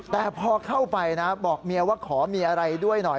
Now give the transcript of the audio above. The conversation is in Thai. แต่พอเข้าไปนะบอกเมียว่าขอมีอะไรด้วยหน่อย